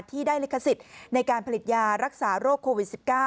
ที่ได้ลิขสิทธิ์ในการผลิตยารักษาโรคโควิด๑๙